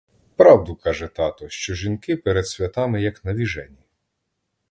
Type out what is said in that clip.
Правду каже тато, що жінки перед святами як навіжені.